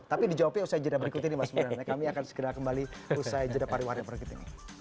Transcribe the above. tapi dijawabnya usai jeda berikut ini mas burhan kami akan segera kembali usai jeda pariwari berikut ini